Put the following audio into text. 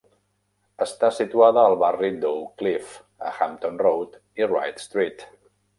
Està situada al barri d'Oak Cliff, a Hampton Road i Wright Street.